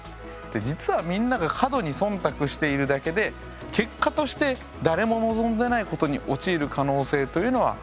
実はみんなが過度に忖度しているだけで結果として誰も望んでないことに陥る可能性というのはありますよ。